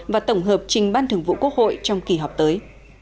và tổng hợp trình ban thường vụ quốc hội trong kỳ họp tới